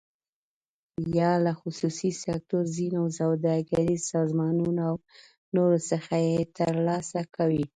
یا له خصوصي سکتور، ځینو سوداګریزو سازمانونو او نورو څخه یې تر لاسه کوي.